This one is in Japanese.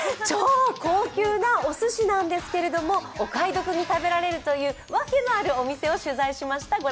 超高級なおすしなんですけど、お買い得に食べられるという訳のあるお店を取材しました。